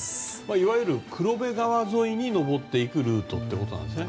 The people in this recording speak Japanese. いわゆる黒部川沿いに上っていくルートということなんですね。